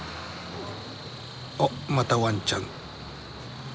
おっまたワンちゃん。